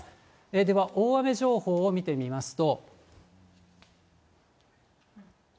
では大雨情報を見てみますと。